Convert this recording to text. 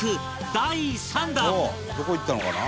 「どこ行ったのかな？」